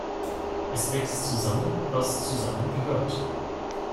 Es wächst zusammen, was zusammengehört.